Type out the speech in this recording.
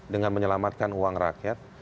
dengan menyelamatkan uang rakyat